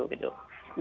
nah karena itu kemudian